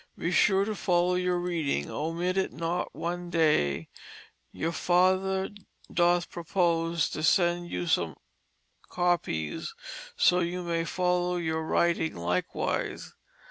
Be sure to follow your reading, omit it not one day: your father doth propose to send you some coppies that so you may follow your wrighting likewise.